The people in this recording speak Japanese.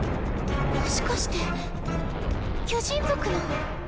もしかして巨人族の。